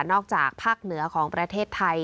จากภาคเหนือของประเทศไทย